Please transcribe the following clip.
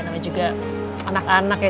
namanya juga anak anak ya